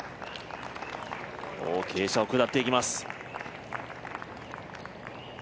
傾斜を下っていきます。